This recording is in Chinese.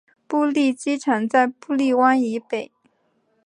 布利机场在布利湾以北。